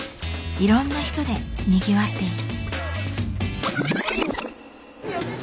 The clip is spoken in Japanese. いろんな人でにぎわっている。